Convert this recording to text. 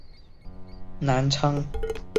杨珙开始封为南昌郡公。